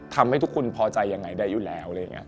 ทำให้ทุกคนพอใจอย่างไรได้อยู่แล้ว